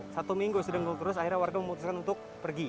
satu minggu sedengkul terus akhirnya warga memutuskan untuk pergi